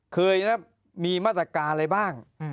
เคยนะมีมาตรการอะไรบ้าง